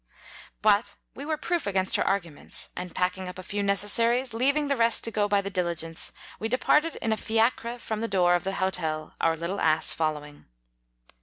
But we were proof against her arguments, and packing up a few necessaries, leaving the rest to go by the diligence, we de parted in a fiacre from the door of the hotel, our little ass following.